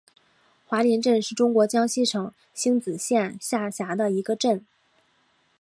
华林镇是中国江西省星子县下辖的一个镇。